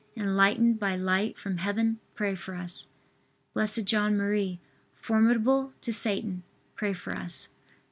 enlightened by light from Heaven, pray for us. B. J. M., formidable to Satan, pray for us.